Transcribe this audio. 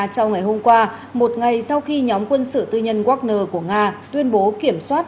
trong ngày hôm qua một ngày sau khi nhóm quân sự tư nhân wagner của nga tuyên bố kiểm soát